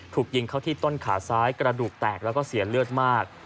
ถูกยิงเข้าที่ต้นขาซ้ายกระดูกแตกแล้วก็เสียเลือดมาก